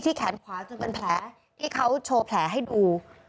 แขนขวาจนเป็นแผลที่เขาโชว์แผลให้ดู